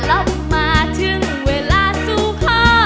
รอบมาถึงเวลาสู่ข้อ